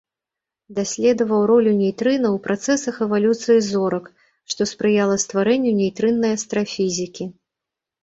Даследаваў ролю нейтрына ў працэсах эвалюцыі зорак, што спрыяла стварэнню нейтрыннай астрафізікі.